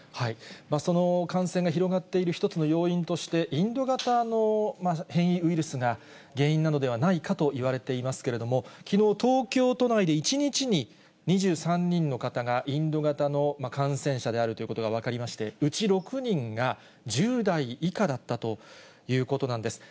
その感染が広がっている一つの要因として、インド型の変異ウイルスが原因なのではないかといわれていますけれども、きのう、東京都内で１日に２３人の方が、インド型の感染者であるということが分かりまして、うち６人が１０代以下だったということなんです。